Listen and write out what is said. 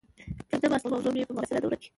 پنځمه اصلي موضوع مې په معاصره دوره کې